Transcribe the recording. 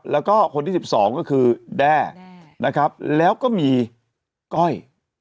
แล้วก็คนที่๑๒ก็คือแด้นะครับแล้วก็มีก้อย